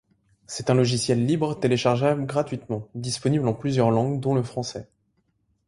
C'est un logiciel libre téléchargeable gratuitement, disponible en plusieurs langues dont le français.